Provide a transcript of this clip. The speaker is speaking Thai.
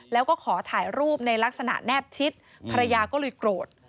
แล้วก็ขอถ่ายรูปในลักษณะแนบชิดภรรยาก็เลยโกรธ